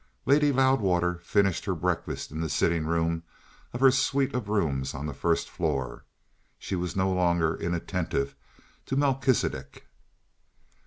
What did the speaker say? Lady Loudwater finished her breakfast in the sitting room of her suite of rooms on the first floor. She was no longer inattentive to Melchisidec.